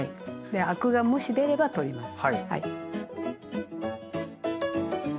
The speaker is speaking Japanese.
アクがもし出れば取ります。